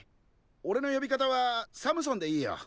おれの呼び方はサムソンでいいよ。